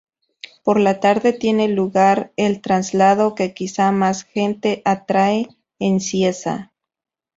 Por la tarde tiene lugar el Traslado que quizás más gente atrae en Cieza.